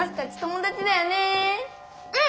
うん！